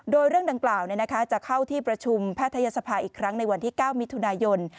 โดยเรื่องดังกล่าวจะเข้าที่ประชุมแพทยศภาอีกครั้งในวันที่๙มิถุนายน